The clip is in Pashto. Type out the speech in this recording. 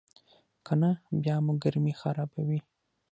کنه بیا مو ګرمي خرابوي.